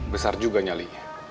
besar juga nyali